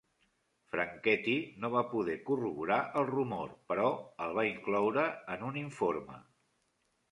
Franchetti no va poder corroborar el rumor, però el va incloure en un informe.